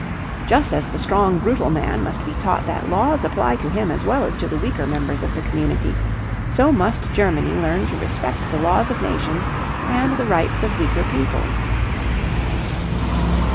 Just as the strong brutal man must be taught that laws apply to him as well as to the weaker members of the community, so must Germany learn to respect the laws of nations and the rights of weaker peoples.